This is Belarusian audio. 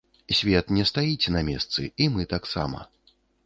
Свет не стаіць на месцы, і мы таксама.